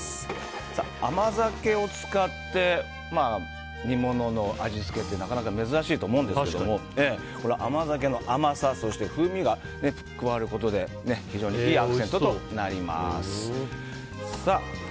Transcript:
甘酒を使って煮物の味付けってなかなか珍しいと思うんですけど甘酒の甘さ、風味が加わることで非常にいいアクセントとなります。